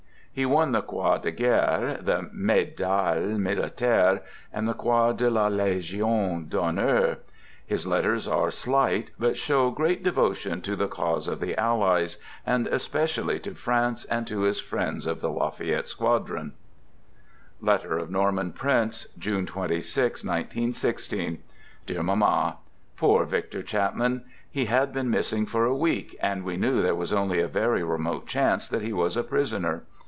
He won the Croix de Guerre, the Medaille Militaire, and the Croix de la Legion d'Honneur. His letters are slight, but show great devotion to the cause of the Allies, and especially to France and to his friends of the Lafayette squadron. Dear Mama: Poor Victor Chapman ! He had been missing for a week, and we knew there was only a very remote chance that he was a prisoner.